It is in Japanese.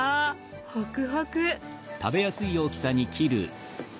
ホクホク。